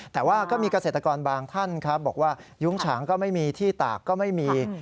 แต่ว่าก็มีเกษตรกรบางท่านครับบอกว่ายุ้งฉางก็ไม่มีที่ตากก็ไม่มี